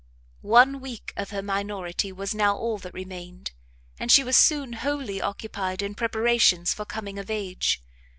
One week of her minority was now all that remained, and she was soon wholly occupied in preparations for coming of age.